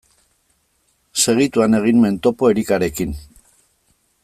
Segituan egin nuen topo Erikarekin.